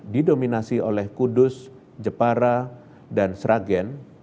didominasi oleh kudus jepara dan sragen